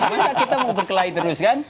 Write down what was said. bisa kita mau berkelahi terus kan